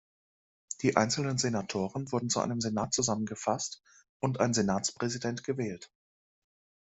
Die einzelnen Senatoren wurden zu einem Senat zusammengefasst und ein Senatspräsident gewählt.